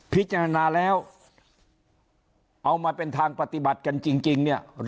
พิจารณาแล้วเอามาเป็นทางปฏิบัติกันจริงเนี่ย